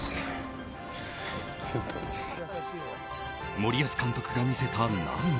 森保監督が見せた涙。